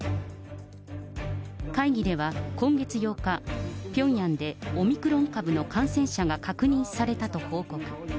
会議では今月８日、ピョンヤンでオミクロン株の感染者が確認されたと報告。